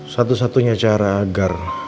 satu satunya cara agar